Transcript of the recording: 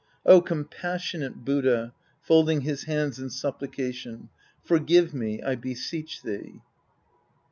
Oh, compassionate Buddha, {folding his hands in supplication) forgive me, I beseech thee